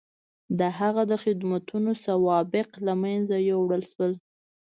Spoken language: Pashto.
د هغه د خدمتونو سوابق له منځه یووړل شول.